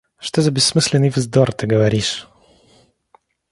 Что за бессмысленный вздор ты говоришь!